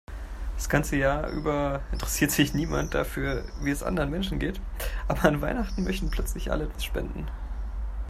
Das ganze Jahr über interessiert sich niemand dafür, wie es anderen Menschen geht, aber an Weihnachten möchten plötzlich alle etwas spenden.